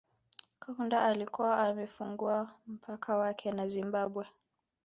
Kaunda alikuwa amefungua mpaka wake na Zimbabwe